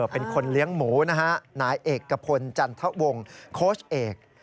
เป็นคนเลี้ยงหมูนะฮะนายเอกพลจันทะวงโค้ชเอก